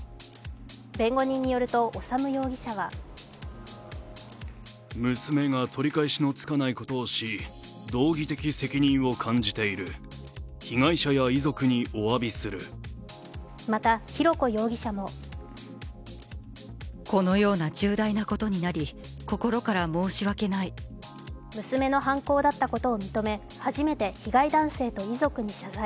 弁護人によると、修容疑者はまた、浩子容疑者も娘の犯行だったことを認め初めて被害男性と遺族に謝罪。